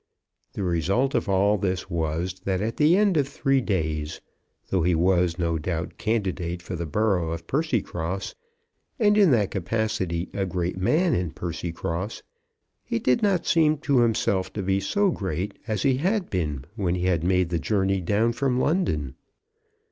The result of all this was, that at the end of three days, though he was, no doubt, candidate for the borough of Percycross, and in that capacity a great man in Percycross, he did not seem to himself to be so great as he had been when he made the journey down from London.